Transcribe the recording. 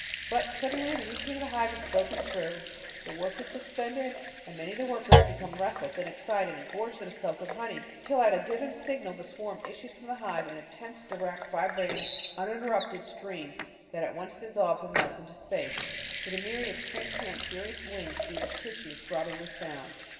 But suddenly the routine of the hive is broken through, work is suspended and many of the workers become restless and excited, and gorge them selves with honey till at a given signal the swarm issues from the hive, "in a tense, direct, vibrating, uninterrupted stream that at once dissolves and melts into space, where the myriad trans parent furious wings weave a tissue throbbing with sound."